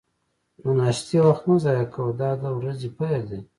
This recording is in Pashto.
د ناشتې وخت مه ضایع کوه، دا د ورځې پیل دی.